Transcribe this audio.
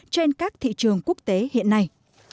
trên các thị trường quốc tế hiện nay